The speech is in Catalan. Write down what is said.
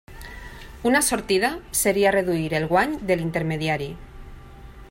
Una sortida seria reduir el guany de l'intermediari.